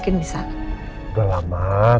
ingin tahu jawaban kamu nina